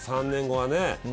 ３年後はね。